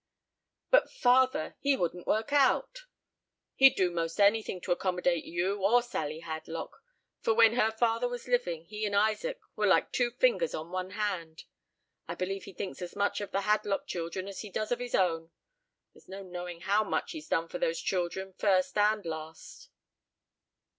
"But, father, he wouldn't work out." "He'd do most anything to accommodate you or Sally Hadlock; for, when her father was living, he and Isaac were like two fingers on one hand. I believe he thinks as much of the Hadlock children as he does of his own. There's no knowing how much he's done for those children first and last."